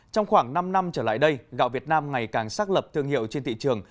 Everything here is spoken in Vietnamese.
trong khoảng năm năm trở lại đây gạo việt nam ngày càng xác lập thương hiệu trên thị trường